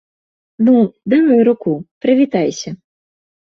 Ну, давай руку, прывітайся.